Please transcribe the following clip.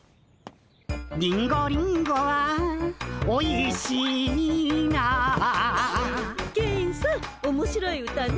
「リンゴリンゴはおいしいな」ケンさんおもしろい歌ね。